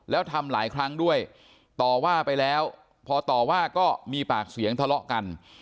แล้วทำหลายครั้งด้วยต่อว่าไปแล้วพอต่อว่าก็มีปากเสียงทะเลาะกัน